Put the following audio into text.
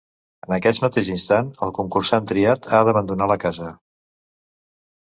En aquest mateix instant, el concursant triat ha d'abandonar la casa.